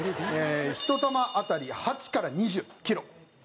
ひと球当たり８から２０キロ。